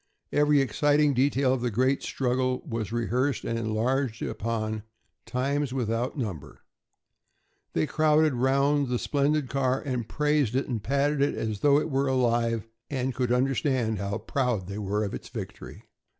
Every exciting detail of the great struggle was rehearsed and enlarged upon, times without number. They crowded round the splendid car and praised it and patted it as though it were alive and could understand how proud they were of its victory.